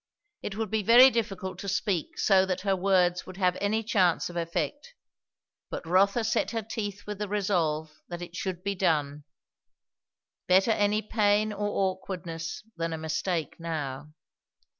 It would be very difficult to speak so that her words would have any chance of effect; but Rotha set her teeth with the resolve that it should be done. Better any pain or awkwardness than a mistake now.